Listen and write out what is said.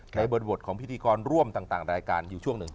บทของพิธีกรร่วมต่างรายการอยู่ช่วงหนึ่ง